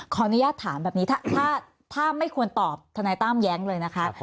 ขออนุญาตถามแบบนี้ถ้าไม่ควรตอบทนายตั้มแย้งเลยนะคะ